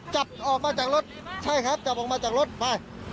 จับออกมาจากรถใช่ครับจับออกมาจากรถไป